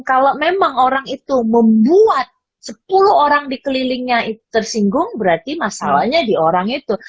kalau memang orang itu membuat sepuluh orang dikelilingnya itu tersinggung berarti masalahnya di orang itu